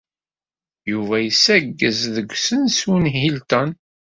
Yuba yessaggez deg usensu n Hilton.